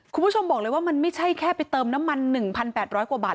คุณผู้ชมบอกเลยว่ามันไม่ใช่แค่ไปเติมน้ำมัน๑๘๐๐กว่าบาท